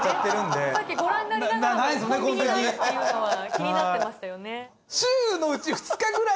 気になってましたよね。